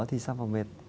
thì sao mà mệt